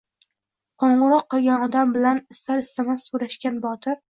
Qo`ng`iroq qilgan odam bilan istar-istamas so`rashgan Botir